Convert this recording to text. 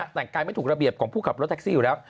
แต่งกายไม่ถูกระเบียบของผู้ขับรถแท็กซี่อยู่แล้ว